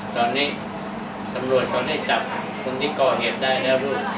ตอนนี้ตำรวจเขาได้จับคนที่ก่อเหตุได้แล้วลูก